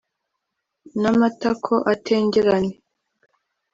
N'amatako atengerane.